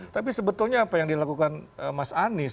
tapi sebetulnya apa yang dilakukan mas anies